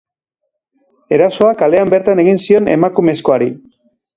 Erasoa kalean bertan egin zion emakumezkoari.